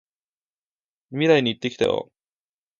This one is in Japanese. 未来に行ってきたよ！